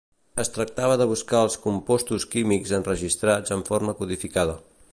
Es tractava de buscar els compostos químics enregistrats en forma codificada.